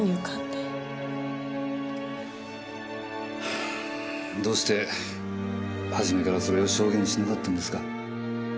はぁどうして初めからそれを証言しなかったんですか？